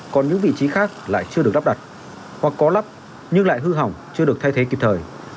còn những vị trí khác lại chưa được lắp đặt hoặc có lắp nhưng lại hư hỏng chưa được thay thế kịp thời